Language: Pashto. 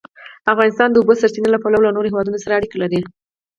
افغانستان د د اوبو سرچینې له پلوه له نورو هېوادونو سره اړیکې لري.